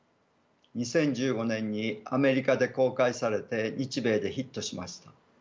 ２０１５年にアメリカで公開されて日米でヒットしました。